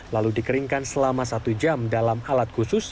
lalu dikeringkan selama satu jam dalam alat khusus